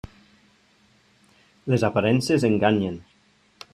Les aparences enganyen.